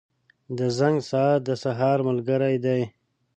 • د زنګ ساعت د سهار ملګری دی.